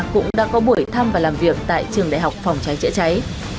cũng đã có buổi thăm và làm việc tại trường đại học phòng cháy chữa cháy